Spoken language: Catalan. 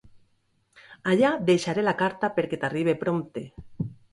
Allà deixaré la carta perquè t'arribe prompte.